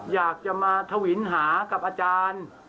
อยากจะมาทวินหากับอาจารย์